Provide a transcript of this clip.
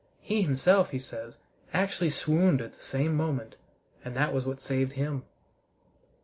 He himself, he says, actually swooned at the same moment, and that was what saved him.